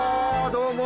どうも。